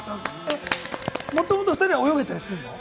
もともと２人は泳げたりするの？